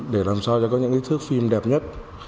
để làm sao cho có những cái thước phim đẹp nhất